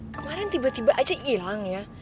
kemaren tiba tiba aja ilang ya